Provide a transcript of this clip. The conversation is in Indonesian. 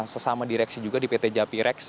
sesama direksi juga di pt japirex